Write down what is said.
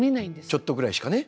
ちょっとぐらいしかね。